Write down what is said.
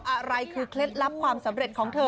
อะไรคือเคล็ดลับความสำเร็จของเธอ